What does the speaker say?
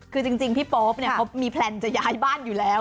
คือจริงพี่โป๊ปเนี่ยเขามีแพลนจะย้ายบ้านอยู่แล้ว